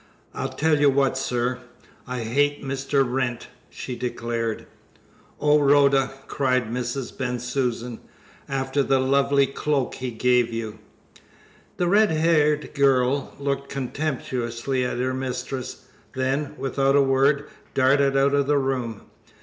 "I tell you what, sir, I hate Mr. Wrent!" she declared. "Oh, Rhoda!" cried Mrs. Bensusan. "After the lovely cloak he gave you!" The red haired girl looked contemptuously at her mistress; then, without a word, darted out of the room.